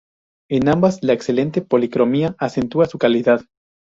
En ambas, la excelente policromía acentúa su calidad.